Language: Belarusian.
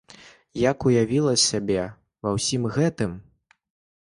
Як уявіла сябе ва ўсім гэтым!